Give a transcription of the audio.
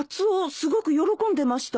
すごく喜んでましたよ。